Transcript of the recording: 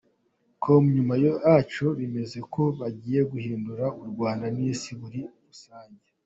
com nyuma yacyo bemeza ko bagiye guhindura u Rwanda n'isi muri rusange.